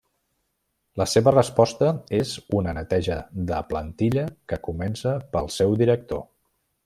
La seva resposta és una neteja de plantilla que comença pel seu director.